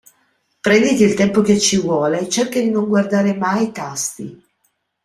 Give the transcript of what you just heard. Prenditi il tempo che ci vuole e cerca di non guardare mai i tasti.